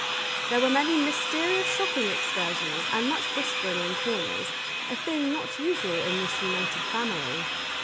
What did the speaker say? There were many mysterious shopping excursions, and much whispering in corners, — a thing not usual in this united family.